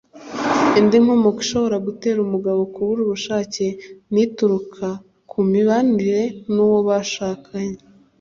Indi nkomoko ishobora gutera umugabo kubura ubushake ni ituruka ku mibanire n’uwo bashakanye